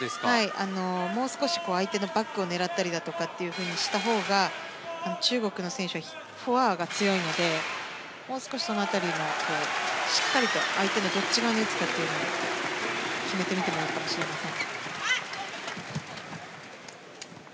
もう少し相手のバックを狙ったりとかしたほうが中国の選手はフォアが強いのでもう少し、その辺りしっかり、相手のどっち側に打つかというのを決めてみてもいいかもしれません。